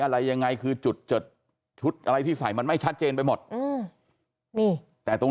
อะไรยังไงคือจุดจดชุดอะไรที่ใส่มันไม่ชัดเจนไปหมดอืมนี่แต่ตรง